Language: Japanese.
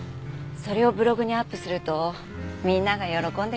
それをブログにアップするとみんなが喜んでくれる。